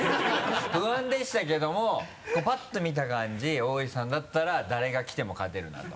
不安でしたけどもパッと見た感じ大石さんだったら誰が来ても勝てるなと。